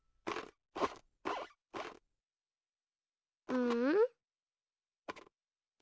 うん？